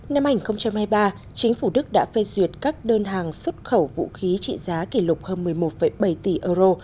năm hai nghìn hai mươi ba chính phủ đức đã phê duyệt các đơn hàng xuất khẩu vũ khí trị giá kỷ lục hơn một mươi một bảy tỷ euro